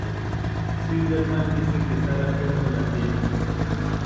Silberman dice que Sarah Connor la tiene.